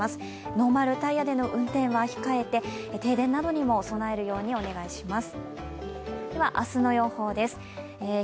ノーマルタイヤでの運転は控えて停電などにも備えるようにお願いします。